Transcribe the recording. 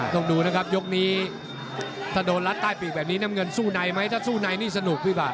ถ้าโดนลัดใต้ปลูกแบบนี้น้ำเงินสู้ในไหมถ้าสู้ในฝนสนุกนะพี่ปะ